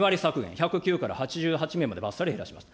１０９から８８名までばっさり減らしました。